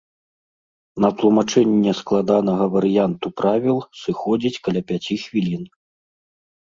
На тлумачэнне складанага варыянту правіл сыходзіць каля пяці хвілін.